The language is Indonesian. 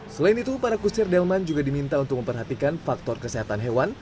selain itu para kusir delman juga diminta untuk memperhatikan faktor kesehatan hewan